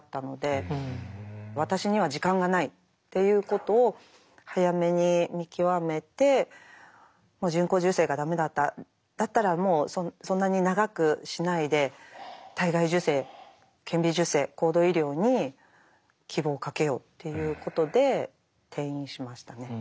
私には時間がないっていうことを早めに見極めてもう人工授精が駄目だったらもうそんなに長くしないで体外受精顕微授精高度医療に希望をかけようっていうことで転院しましたね。